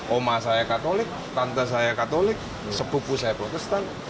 oma saya katolik tante saya katolik sepupu saya protestan